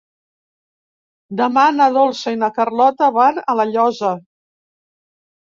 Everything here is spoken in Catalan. Demà na Dolça i na Carlota van a La Llosa.